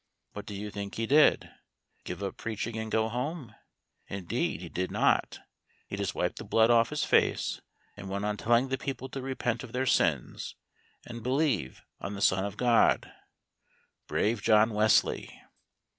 What do you think he did? Give up preaching and go home? Indeed he did not; he just wiped the blood off his face, and went on telling the people to repent of their sins and believe on the Son of God. Brave John Wesley!